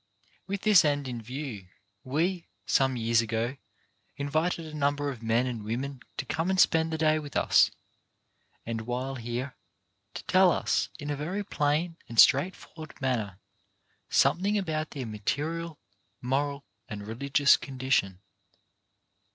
With this end in view, we, some years ago, in vited a number of men and women to come and spend the day with us, and, while here, to tell us in a very plain and straightforward manner something about their material, moral and re ligious condition.